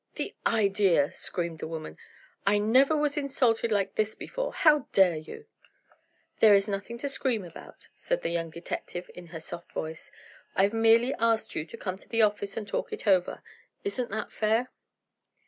"The idea!" screamed the woman. "I never was insulted like this before! How dare you!" "There is nothing to scream about," said the young detective, in her soft voice, "I've merely asked you to come to the office and talk it over. Isn't that fair?"